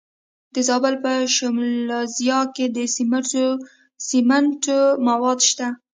د زابل په شمولزای کې د سمنټو مواد شته.